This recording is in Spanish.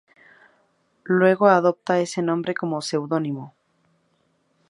Luego adopta ese nombre como seudónimo.